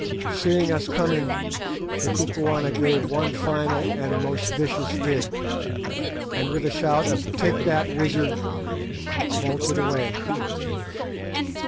Seeing us coming, the Kukuana gave one final and most vicious dig, and with a shout of "Take that, wizard!" bolted away.